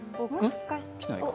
来てないか。